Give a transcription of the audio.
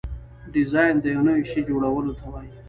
ډیزاین د یو نوي شي جوړولو ته وایي.